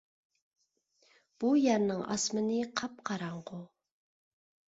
بۇ يەرنىڭ ئاسمىنى قاپقاراڭغۇ.